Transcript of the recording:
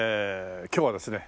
今日はですね